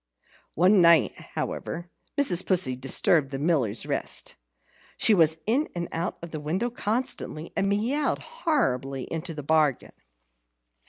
One night, however, Mrs. Pussy disturbed the Miller's rest. She was in and out of the window constantly, and meowed horribly into the bargain.